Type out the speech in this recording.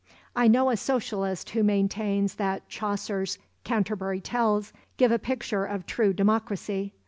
I know a socialist who maintains that Chaucer's "Canterbury Tales" give a picture of true democracy.